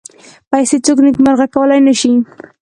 پیسې څوک نېکمرغه کولای نه شي.